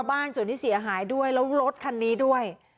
บ้านส่วนที่เสียหายด้วยแล้วรถคันนี้ด้วย